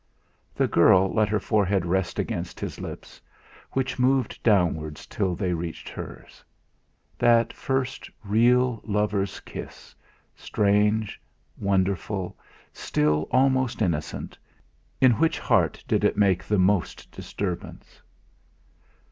The girl let her forehead rest against his lips, which moved downwards till they reached hers. That first real lover's kiss strange, wonderful, still almost innocent in which heart did it make the most disturbance?